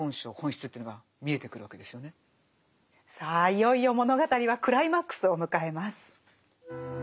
いよいよ物語はクライマックスを迎えます。